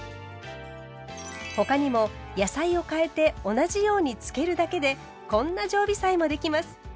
他にも野菜を変えて同じようにつけるだけでこんな常備菜もできます。